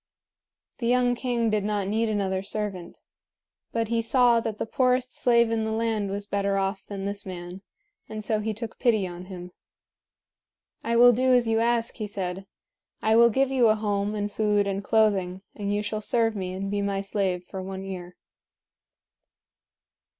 The young king did not need another servant. But he saw that the poorest slave in the land was better off than this man, and so he took pity on him. "I will do as you ask," he said. "I will give you a home and food and clothing; and you shall serve me and be my slave for one year."